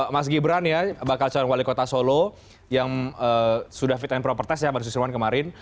mas gibran ya bakal calon wali kota solo yang sudah fit and proper test ya pak susirwan kemarin